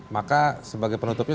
maka sebagai penutupnya